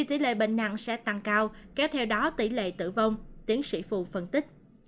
tỷ lệ bệnh nặng sẽ tăng cao kéo theo đó tỷ lệ tử vong tiến sĩ phù phân tích